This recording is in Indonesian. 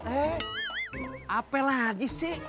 eh apa lagi sih